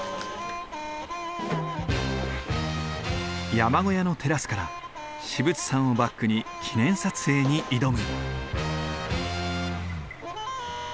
山小屋のテラスから至仏山をバックに記念撮影に挑む。